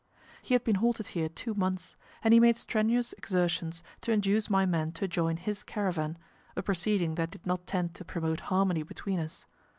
He had been halted here two months, and he made strenuous exertions to induce my men to join his caravan, a proceeding that did not tend to promote harmony between us.